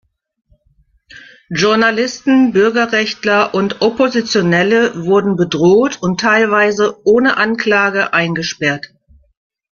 Journalisten, Bürgerrechtler und Oppositionelle wurden bedroht und teilweise ohne Anklage eingesperrt.